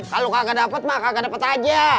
kalo kagak dapet mah kagak dapet aja